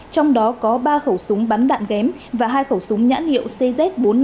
trong đó có ba khẩu súng bắn đạn ghém và hai khẩu súng nhãn hiệu cz bốn trăm năm mươi